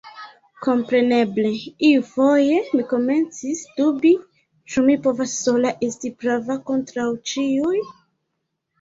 Kompreneble, iufoje mi komencis dubi, ĉu mi povas sola esti prava kontraŭ ĉiuj?